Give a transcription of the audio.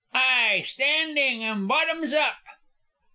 "Ay! Standing! And bottoms up!"